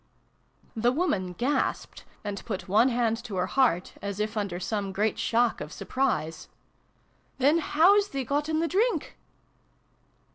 The woman gasped, and put. one hand to her heart, as if under some great shock of surprise. " Then how 's thee gotten th' drink